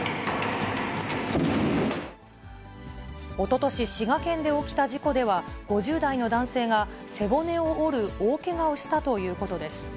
おととし、滋賀県で起きた事故では、５０代の男性が背骨を折る大けがをしたということです。